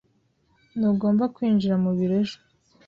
Ntugomba kwinjira mu biro ejo.